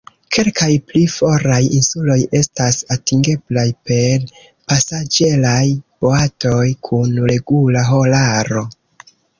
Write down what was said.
Kelkaj pli foraj insuloj estas atingeblaj per pasaĝeraj boatoj kun regula horaro.